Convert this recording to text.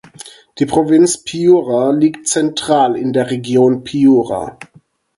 Die Provinz Piura liegt zentral in der Region Piura.